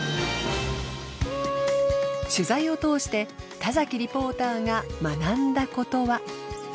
取材を通して田リポーターが学んだことは。